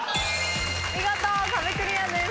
見事壁クリアです。